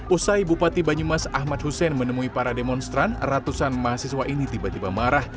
usai bupati banyumas ahmad hussein menemui para demonstran ratusan mahasiswa ini tiba tiba marah